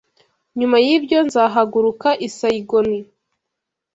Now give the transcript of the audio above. Nyuma yibyo, nzahaguruka i Saigon.